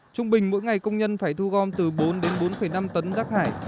trung bình mỗi ngày công nhân phải thu gom từ bốn đến bốn năm tấn rác thải